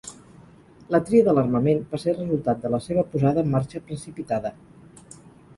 La tria de l'armament va ser resultat de la seva posada en marxa precipitada.